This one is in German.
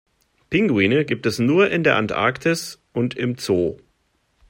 Pinguine gibt es nur in der Antarktis und im Zoo.